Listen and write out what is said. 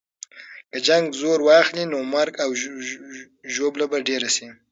که جنګ زور واخلي، نو مرګ او ژوبله به ډېره سي.